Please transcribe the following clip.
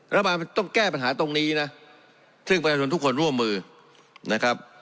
รัฐบาลมันต้องแก้ปัญหาตรงนี้นะซึ่งประชาชนทุกคนร่วมมือนะครับ